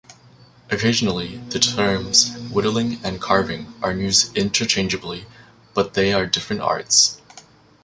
Occasionally the terms "whittling" and "carving" are used interchangeably, but they are different arts.